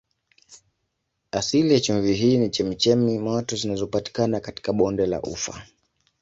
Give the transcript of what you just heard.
Asili ya chumvi hii ni chemchemi moto zinazopatikana katika bonde la Ufa.